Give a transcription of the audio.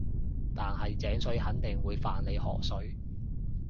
但係井水肯定會犯你河水